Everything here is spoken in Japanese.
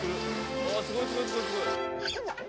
うわすごいすごいすごいすごい。